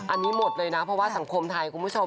อันนี้หมดเลยนะเพราะว่าสังคมไทยคุณผู้ชม